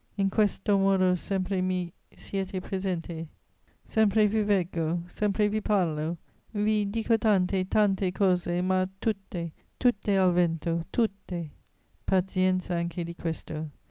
In questo modo sempre mi siete presente, sempre vi veggo, sempre vi parlo, vi dico tante, tante cose, ma tutte, tutte al vento, tutte! Pazienza anche di questo!